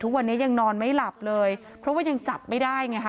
ทุกวันนี้ยังนอนไม่หลับเลยเพราะว่ายังจับไม่ได้ไงค่ะ